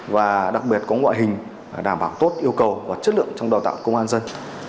và đặc biệt có ngoại hình đảm bảo tốt yêu cầu và chất lượng trong đào tạo công an dân